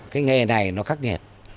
cái nghề này nó khắc nghẹt